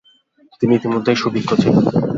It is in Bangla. তিনি ইতিমধ্যেই সুবিজ্ঞ ছিলেন।